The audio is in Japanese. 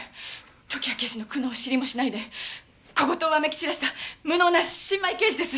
時矢刑事の苦悩を知りもしないで小言をわめき散らした無能な新米刑事です。